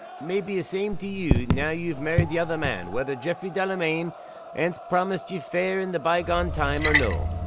"It may be a' the same to you, now ye've married the other man, whether Jaffray Delamayn ance promised ye fair in the by gone time, or no."